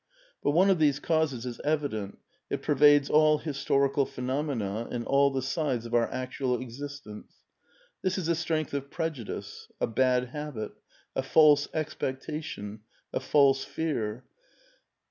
But one of these causes is evident ; it pervades all historical phenomena, and all the sides of our actual existence. This is a strength of prejudice, a bad habit, a false expectation, a false fear.